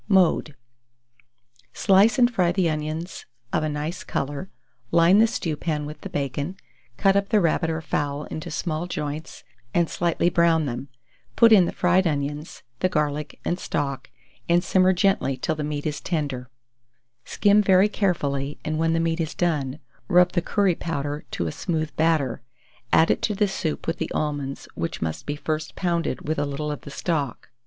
Mode. =Slice and fry the onions of a nice colour; line the stewpan with the bacon; cut up the rabbit or fowl into small joints, and slightly brown them; put in the fried onions, the garlic, and stock, and simmer gently till the meat is tender; skim very carefully, and when the meat is done, rub the curry powder to a smooth batter; add it to the soup with the almonds, which must be first pounded with a little of the stock.